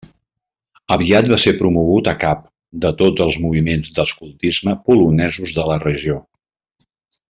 Aviat va ser promogut a cap de tots els moviments d'escoltisme polonesos de la regió.